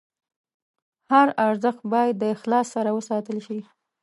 هر ارزښت باید د اخلاص سره وساتل شي.